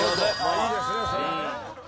いいですねそれはね。